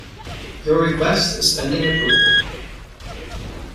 Your request is pending approval.